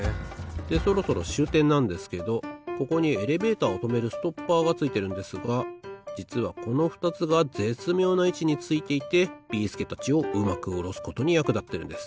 でそろそろしゅうてんなんですけどここにエレベーターをとめるストッパーがついてるんですがじつはこのふたつがぜつみょうないちについていてビーすけたちをうまくおろすことにやくだってるんです。